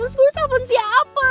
terus gue harus telepon siapa